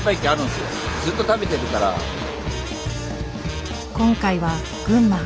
今回は群馬。